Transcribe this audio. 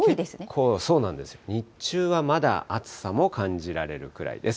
結構、そうなんですよ、日中はまだ暑さも感じられるくらいです。